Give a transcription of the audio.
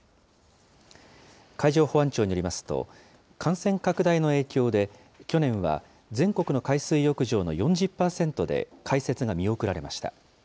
海上保安庁によりますと、感染拡大の影響で、去年は、全国の海水浴場の４０％で開設が見送られました。